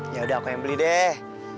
ya udah aku yang beli deh